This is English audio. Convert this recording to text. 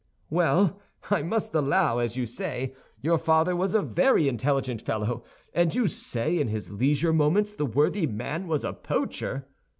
"Well, I must allow, as you say, your father was a very intelligent fellow. And you say in his leisure moments the worthy man was a poacher?"